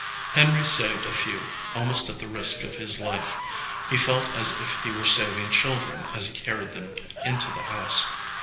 Henry saved a few, almost at the risk of his life. He felt as if he were saving children as he carried them into the house.